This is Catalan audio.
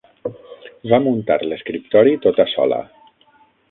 Va muntar l'escriptori tota sola.